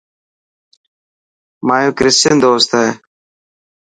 مايو ڪرسچن دوست هي.